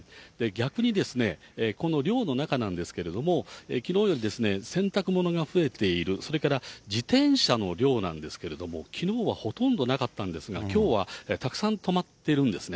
逆にですね、この寮の中なんですけれども、きのうより洗濯物が増えている、それから自転車の量なんですけれども、きのうはほとんどなかったんですが、きょうはたくさん止まってるんですね。